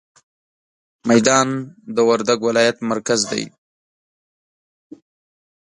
ميدان د وردګ ولايت مرکز دی.